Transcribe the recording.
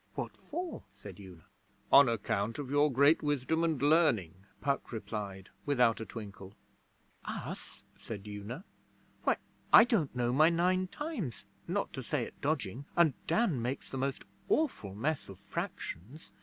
'What for?' said Una. 'On account of your great wisdom and learning,' Puck replied, without a twinkle. 'Us?' said Una. 'Why, I don't know my Nine Times not to say it dodging, and Dan makes the most awful mess of fractions.